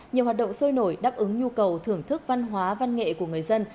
nhiều hoạt động sôi nổi đáp ứng nhu cầu thưởng thức văn hóa văn nghệ của người dân